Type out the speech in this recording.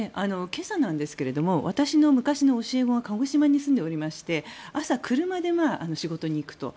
今朝なんですが私の昔の教え子が鹿児島に住んでおりまして朝、車で仕事に行くと。